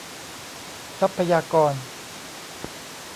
ทรัพยากร